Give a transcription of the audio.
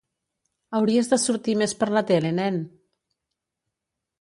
Hauries de sortir més per la tele, nen!